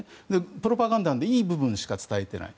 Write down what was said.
プロパガンダでいい部分しか伝えていない。